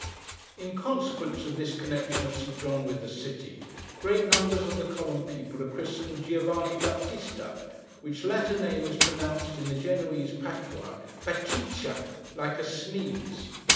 In consequence of this connection of Saint John with the city, great numbers of the common people are christened Giovanni Baptista, which latter name is pronounced in the Genoese patois 'Batcheetcha,' like a sneeze.